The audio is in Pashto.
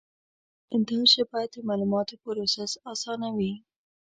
دا ژبه د معلوماتو پروسس آسانوي.